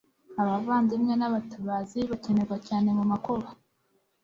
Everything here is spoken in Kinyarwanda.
abavandimwe n'abatabazi bakenerwa cyane mu makuba